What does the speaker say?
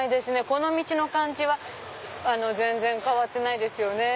この道の感じは全然変わってないですよね。